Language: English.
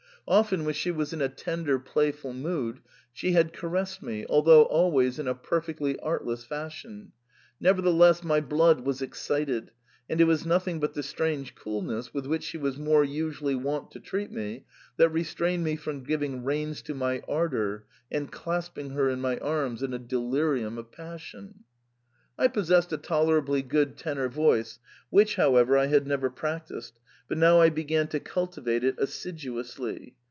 Often, when she was in a tender, playful mood, she had caressed me, although always in a perfectly artless fashion ; nevertheless, my blood was excited, and it was nothing but the strange coolness with which she was more usually wont to treat me that restrained me from giving reins to my ardour and claspmg her in my arms in a delirium of passion. I possessed a tolerably good tenor voice, which, however, I had never prac tised, but now I began to cultivate it assiduously.